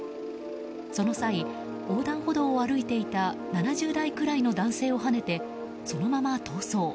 その際、横断歩道を歩いていた７０代くらいの男性をはねてそのまま逃走。